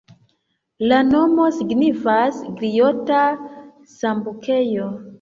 La nomo signifas griota-sambukejo.